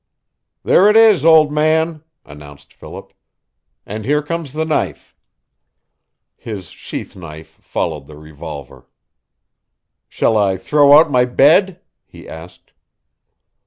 "There it is, old man," announced Philip. "And here comes the knife." His sheath knife followed the revolver. "Shall I throw out my bed?" he asked.